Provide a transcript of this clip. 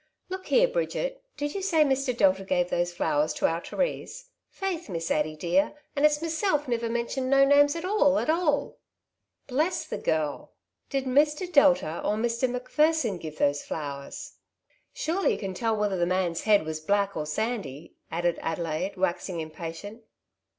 Look here, Bridget, did you say Mr. Delta gave those flowers to our Therise ?" ''Faith, Miss Addy dear, and it's meself niver mentioned no names at all at all." "Bless the girl! Did Mr. Delta or Mr. Mac I Boarding House Experiences. S i pherson give those flowers? Sure you can tell whether the man^s head was black or sandy ?^' added Adelaide^ waxing impatient.